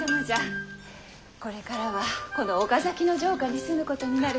これからはこの岡崎の城下に住むことになる。